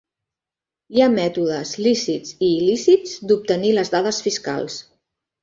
Hi ha mètodes lícits i il·lícits d'obtenir les dades fiscals.